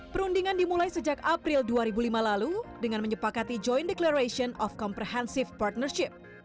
perundingan dimulai sejak april dua ribu lima lalu dengan menyepakati joint declaration of comprehensive partnership